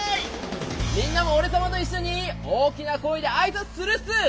みんなもおれさまといっしょにおおきなこえであいさつするっす！